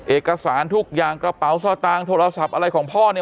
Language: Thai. เอกสารทุกอย่างกระเป๋าสตางค์โทรศัพท์อะไรของพ่อเนี่ย